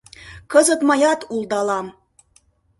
Кызыт мыят улдалам.